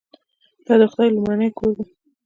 دا د خدای لومړنی کور دی.